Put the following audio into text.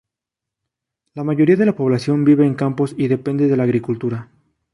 La mayoría de la población vive en campos y depende de la agricultura.